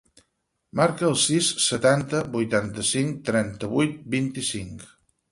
Marca el sis, setanta, vuitanta-cinc, trenta-vuit, vint-i-cinc.